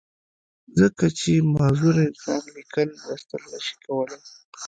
ځکه چې معذوره انسان ليکل، لوستل نۀ شي کولی